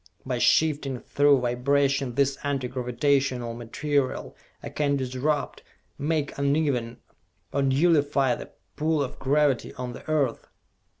By shifting through vibration this Anti Gravitational material, I can disrupt, make uneven, or nullify the pull of gravity on the Earth!"